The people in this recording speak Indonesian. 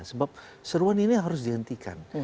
sebab seruan ini harus dihentikan